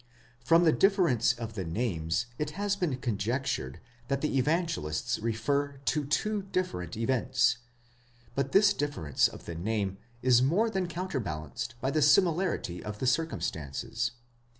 From the difference of the names it has been conjectured that the Evange lists refer to two different events ;* but this difference of the name is more than counterbalanced by the similarity of the circumstances.